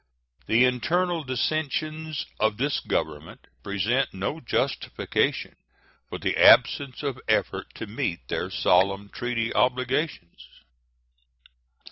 The internal dissensions of this Government present no justification for the absence of effort to meet their solemn treaty obligations.